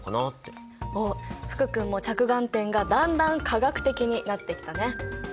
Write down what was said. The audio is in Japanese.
おっ福君も着眼点がだんだん化学的になってきたね。